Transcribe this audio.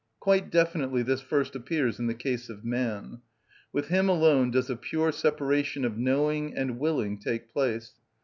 Quite definitely this first appears in the case of man. With him alone does a pure separation of knowing and willing take place.